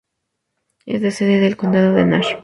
Es sede del condado de Nash.